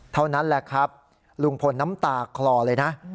เท่านั้นแหละครับลุงพลน้ำตาคลอเลยนะ